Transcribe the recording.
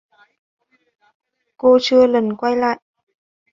Cô chưa lần quay lại